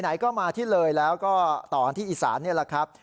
ไหนก็มาที่เลยแล้วก็ต่อกันที่อีสานนี่แหละครับ